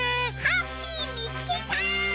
ハッピーみつけた！